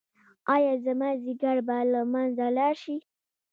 ایا زما ځیګر به له منځه لاړ شي؟